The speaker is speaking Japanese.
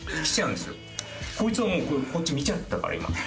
こいつはもうこっち見ちゃったから今。